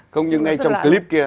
không nhưng ngay trong clip kia